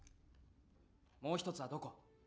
もう一つはどこ？